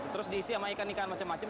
terus diisi sama ikan ikan macam macam